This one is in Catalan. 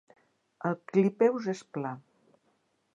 El clipeus és pla.